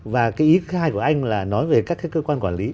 và cái ý khai của anh là nói về các cái cơ quan quản lý